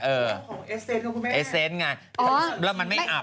เอสเซนต์ไง